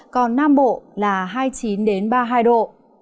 còn nam bộ là hai mươi chín ba mươi hai độ